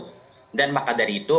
sekalipun dan maka dari itu